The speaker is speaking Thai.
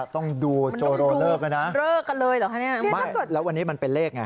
ต้องดูโจโรเลิกแล้วนะเลิกกันเลยเหรอคะเนี่ยไม่แล้ววันนี้มันเป็นเลขไง